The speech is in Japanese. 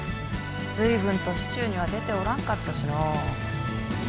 随分と市中には出ておらんかったしの。